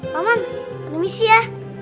maman ada misi ya